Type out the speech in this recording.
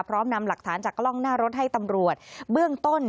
นำหลักฐานจากกล้องหน้ารถให้ตำรวจเบื้องต้น